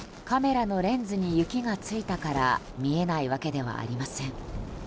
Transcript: カメラのレンズに雪がついたから見えないわけではありません。